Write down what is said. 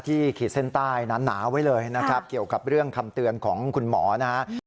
ขีดเส้นใต้หนาไว้เลยนะครับเกี่ยวกับเรื่องคำเตือนของคุณหมอนะครับ